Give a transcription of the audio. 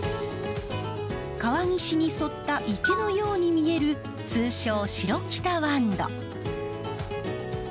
川岸に沿った池のように見える通称城北ワンド。